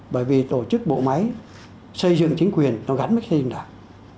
bởi vì tổ chức bộ máy xây dựng chính quyền nó gắn với xây dựng đảng